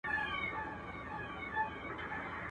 چي مرگى سته ښادي نسته.